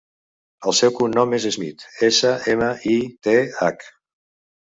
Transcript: El seu cognom és Smith: essa, ema, i, te, hac.